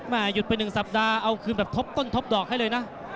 หยุดไป๑สัปดาห์เอาคืนแบบทบต้นทบดอกให้เลยนะ